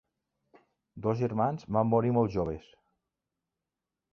Dos germans van morir molt joves.